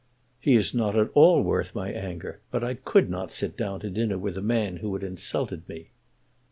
"He is not at all worth my anger; but I could not sit down to dinner with a man who had insulted me."